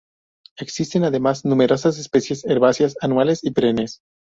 Existen además numerosas especies herbáceas, anuales y perennes.